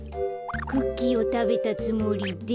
クッキーをたべたつもりで。